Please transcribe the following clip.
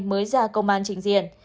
mới ra công an trình diện